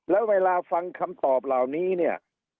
แล้วเวลาฟังคำตอบเหล่านี้เนี่ย